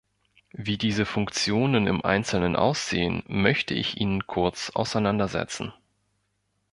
Wie diese Funktionen im Einzelnen aussehen, möchte ich Ihnen kurz auseinander setzen.